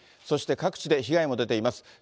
そして各地で被害も出ています。